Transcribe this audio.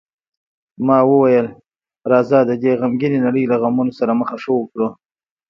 ما وویل: راځه، د دې غمګینې نړۍ له غمو سره مخه ښه وکړو.